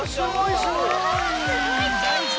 すごいち！